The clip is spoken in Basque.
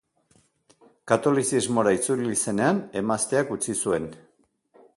Katolizismora itzuli zenean, emazteak utzi zuen.